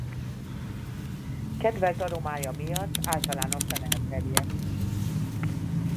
Kedvelt aromája miatt általánosan elterjedt.